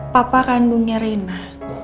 papa kandungnya rena